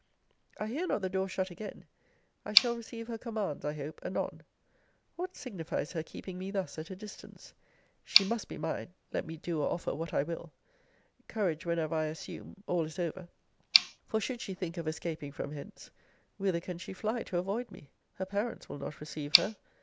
I hear not the door shut again. I shall receive her commands I hope anon. What signifies her keeping me thus at a distance? she must be mine, let me do or offer what I will. Courage whenever I assume, all is over: for, should she think of escaping from hence, whither can she fly to avoid me? Her parents will not receive her.